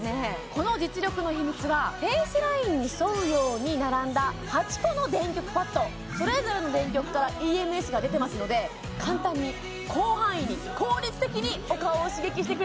この実力の秘密はフェイスラインに沿うように並んだ８個の電極パッドそれぞれの電極からＥＭＳが出てますので簡単に広範囲に効率的にお顔を刺激してくれるんです